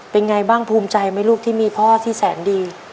เป็นไงบ้างภูมิใจไหมลูกที่มีพ่อที่แสนดี